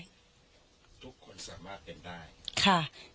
ทุกคนสามารถเป็นได้ค่ะ